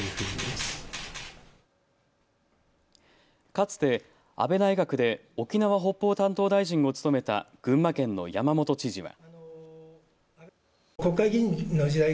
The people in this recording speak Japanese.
かつて安倍内閣で沖縄・北方担当大臣を務めた群馬県の山本知事は。